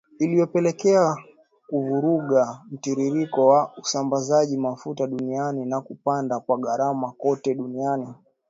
Iliyopelekea kuvuruga mtiririko wa usambazaji mafuta duniani na kupanda kwa gharama kote duniani.